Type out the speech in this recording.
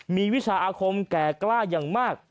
มีวิชาอาคมแก่กล้าอย่างมาก